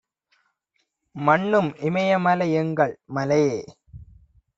மன்னும் இமயமலை யெங்கள் மலையே